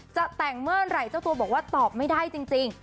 จะแต่งเมื่อไหร่เจ้าตัวบอกว่าตอบไม่ได้จริง